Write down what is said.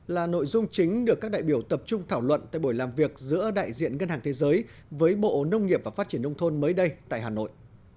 là nội dung chính được các đại biểu tập trung thảo luận tại buổi làm việc giữa đại diện ngân hàng thế giới với bộ nông nghiệp và phát triển nông thôn mới đây tại hà nội